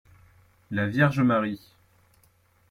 La Vierge Marie.